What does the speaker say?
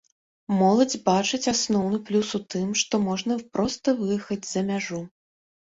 Моладзь бачыць асноўны плюс у тым, што можна проста выехаць за мяжу.